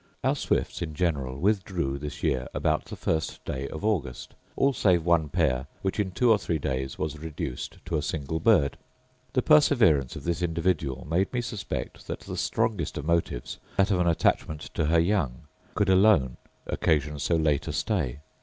Our swifts, in general, withdrew this year about the first day of August, all save one pair, which in two or three days was reduced to a single bird. The perseverance of this individual made me suspect that the strongest of motives, that of an attachment to her young, could alone occasion so late a stay.